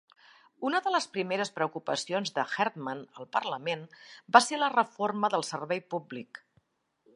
Una de les primeres preocupacions de Herdman al Parlament va ser la reforma del servei públic.